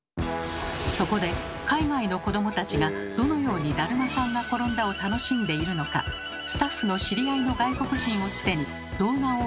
そこで海外の子どもたちがどのように「だるまさんがころんだ」を楽しんでいるのかスタッフの知り合いの外国人をつてに動画を送ってもらいました。